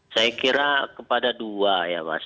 saya kira kepada dua ya mas